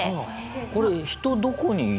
これ人どこにいるの？